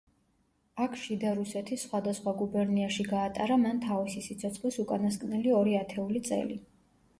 აქ შიდა რუსეთის სხვადასხვა გუბერნიაში გაატარა მან თავისი სიცოცხლის უკანასკნელი ორი ათეული წელი.